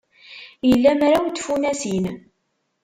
Ila mraw n tfunasin.